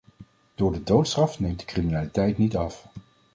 Door de doodstraf neemt de criminaliteit niet af.